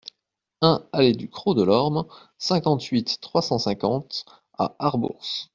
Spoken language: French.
un allée du Crot de l'Orme, cinquante-huit, trois cent cinquante à Arbourse